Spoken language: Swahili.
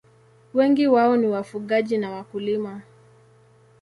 Wengi wao ni wafugaji na wakulima.